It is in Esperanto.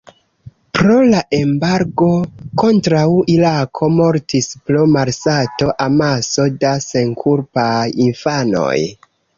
Pro la embargo kontraŭ Irako mortis pro malsato amaso da senkulpaj infanoj.